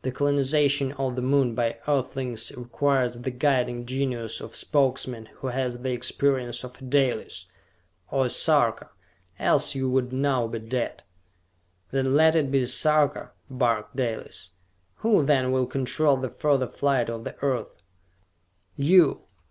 "The colonization of the Moon by Earthlings requires the guiding genius of a Spokesman who has the experience of a Dalis or a Sarka, else you would now be dead!" "Then let it be a Sarka!" barked Dalis. "Who, then, will control the further flight of the Earth?" "You!